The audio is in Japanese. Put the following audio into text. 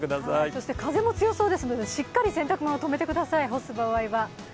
そして風も強そうですので、しっかりととめてください、洗濯物は。